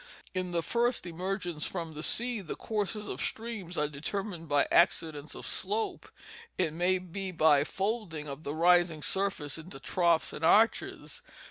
In the first emergence from the sea the courses of streams are determined by accidents of slope, it may be by folding of the rising surface into troughs and arches.